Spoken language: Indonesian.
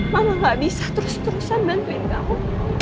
mama nggak bisa terus terusan bantuin kamu